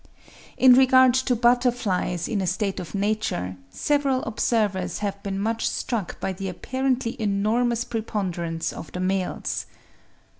In regard to Butterflies in a state of nature, several observers have been much struck by the apparently enormous preponderance of the males.